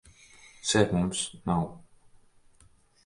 Ser, mums nav...